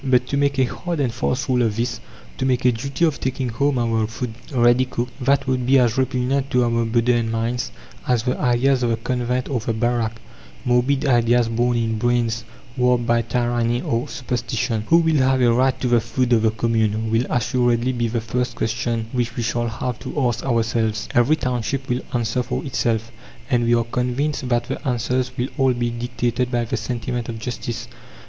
But to make a hard and fast rule of this, to make a duty of taking home our food ready cooked, that would be as repugnant to our modern minds as the ideas of the convent or the barrack morbid ideas born in brains warped by tyranny or superstition. Who will have a right to the food of the commune? will assuredly be the first question which we shall have to ask ourselves. Every township will answer for itself, and we are convinced that the answers will all be dictated by the sentiment of justice.